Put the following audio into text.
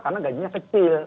karena gajinya kecil